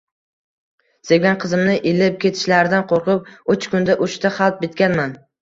Sevgan qizimni ilib ketishlaridan qo’rqib uch kunda uchta xat bitganman.